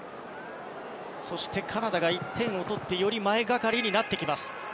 カナダが１点を取ってより前がかりになってきます。